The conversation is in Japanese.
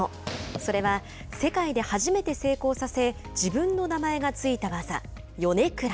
それは世界で初めて成功させ自分の名前がついた技、ヨネクラ。